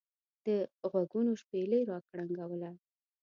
دغوږونو شپېلۍ را کرنګوله.